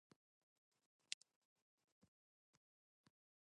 Pinto published mainly in French and once in Portuguese.